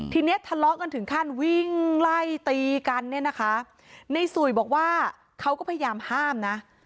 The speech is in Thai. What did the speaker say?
ทีนี้ทะเลาะกันถึงขั้นวิ่งไล่ตีกันเนี่ยนะคะในสุยบอกว่าเขาก็พยายามห้ามนะ